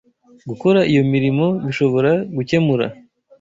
Gukora iyo mirimo bishobora gukemura